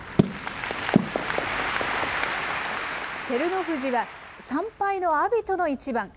照ノ富士は、３敗の阿炎との一番。